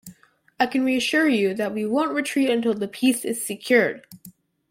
I can reassure you, that we won't retreat until the peace is secured.